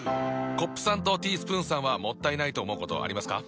コップさんとティースプーンさんはもったいないと思うことありますか？